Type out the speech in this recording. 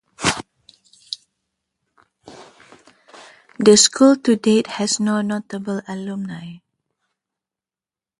The school to date has no notable alumni.